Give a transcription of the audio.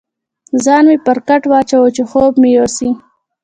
ځان مې پر کټ واچاوه، چې خوب مې یوسي.